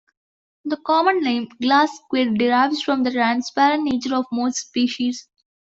The common name, glass squid, derives from the transparent nature of most species.